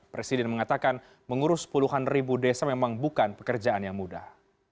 presiden mengatakan mengurus puluhan ribu desa memang bukan pekerjaan yang mudah